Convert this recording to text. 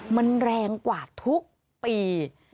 มันแรงกว่าทุกปี